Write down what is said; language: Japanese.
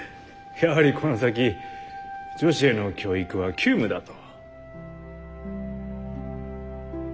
やはりこの先女子への教育は急務だと。